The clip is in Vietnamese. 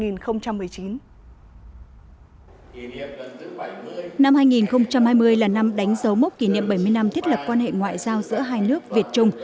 năm hai nghìn hai mươi là năm đánh dấu mốc kỷ niệm bảy mươi năm thiết lập quan hệ ngoại giao giữa hai nước việt trung